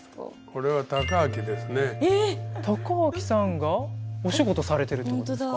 孝明さんがお仕事されてるってことですか？